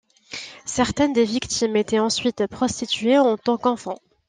Certaines des victimes étaient ensuite prostituées en tant qu'enfants.